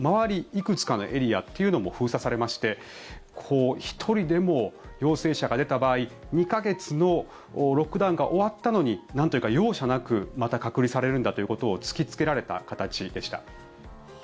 いくつかのエリアというのも封鎖されまして１人でも陽性者が出た場合２か月のロックダウンが終わったのに容赦なくまた隔離されるんだということを突きつけられた形でした。